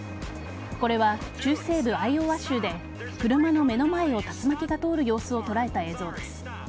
これは中西部・アイオワ州で車の目の前を竜巻が通る様子を捉えた映像です。